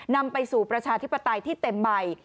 นำไปสู่ประชาธิปไตยที่เต็มใบ